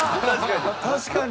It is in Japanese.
確かに。